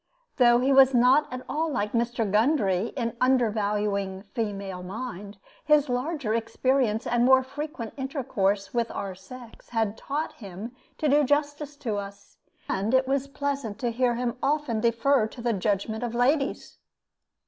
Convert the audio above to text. Though he was not at all like Mr. Gundry in undervaluing female mind, his larger experience and more frequent intercourse with our sex had taught him to do justice to us; and it was pleasant to hear him often defer to the judgment of ladies.